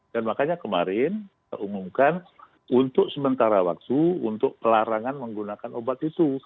dan makanya kemarin terumumkan untuk sementara waktu untuk pelarangan menggunakan obat itu